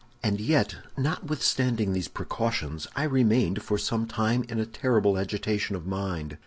"And yet, notwithstanding these precautions, I remained for some time in a terrible agitation of mind.